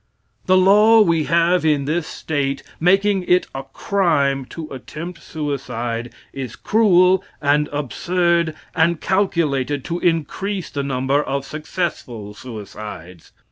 The law we have in this State making it a crime to attempt suicide is cruel and absurd and calculated to increase the number of successful suicides.